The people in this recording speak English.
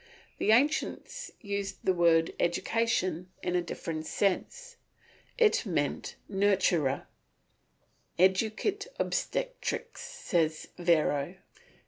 The ancients used the word "Education" in a different sense, it meant "Nurture." "Educit obstetrix," says Varro.